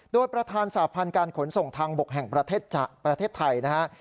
โดยประธานสาพันธ์การขนส่งทางบกแห่งประเทศไทยนะครับ